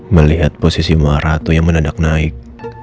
melihat posisi mara itu yang menadak naik